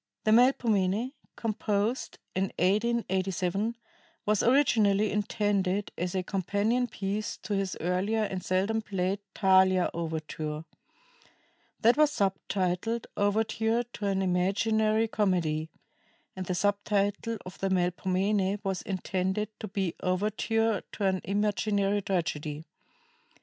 The "Melpomene," composed in 1887, was originally intended as a companion piece to his earlier and seldom played "Thalia" overture. That was subtitled "Overture to an Imaginary Comedy," and the sub title of the "Melpomene" was intended to be "Overture to an Imaginary Tragedy."